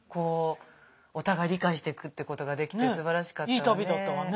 お互い理解していくってことができてすばらしかったわね。